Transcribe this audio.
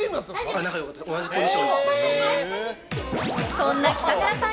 そんな北村さん